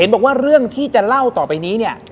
เห็นบอกว่าเรื่องที่จะเล่าต่อไปนี้